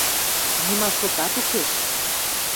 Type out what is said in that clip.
Нима шотат укеш...